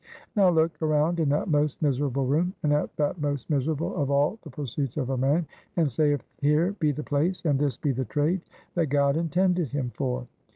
Now look around in that most miserable room, and at that most miserable of all the pursuits of a man, and say if here be the place, and this be the trade, that God intended him for.